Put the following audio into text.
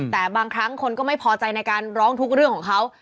แต่บางครั้งคนก็ไม่พอใจในการร้องทุกเรื่องของเขา